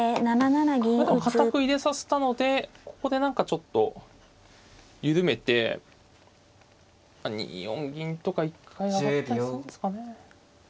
でも堅く入れさせたのでここで何かちょっと緩めて２四銀とか一回上がったりするんですかね。